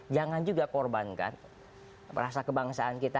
jangan juga korbankan rasa kebangsaan kita